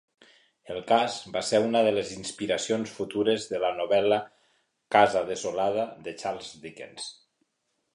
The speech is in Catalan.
El cas va ser una de les inspiracions futures de la novel·la Casa desolada de Charles Dickens.